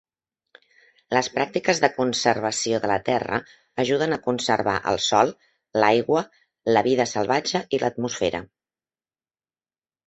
Les pràctiques de conservació de la terra ajuden a conservar el sòl, l'aigua, la vida salvatge i l'atmosfera.